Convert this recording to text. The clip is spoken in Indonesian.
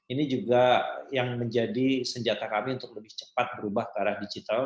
ini juga yang menjadi senjata kami untuk lebih cepat berubah ke arah digital